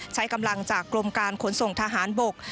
ใช้กำลังจากกรมการขนส่งทหารบก